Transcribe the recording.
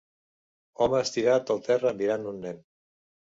home estirat al terra mirant un nen.